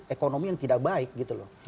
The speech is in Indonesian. ekonomi yang tidak baik gitu loh